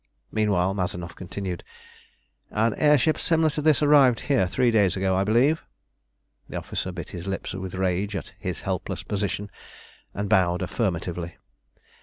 Meanwhile Mazanoff continued "An air ship similar to this arrived here three days ago, I believe?" The officer bit his lips with rage at his helpless position, and bowed affirmatively.